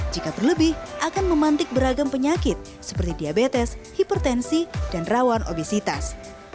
jika berlebih akan memantik beragam penyakit seperti diabetes hipertensi dan rawan obesitas